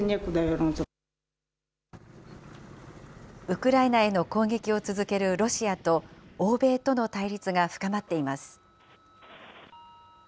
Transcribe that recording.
ウクライナへの攻撃を続けるロシアと欧米との対立が深まっています。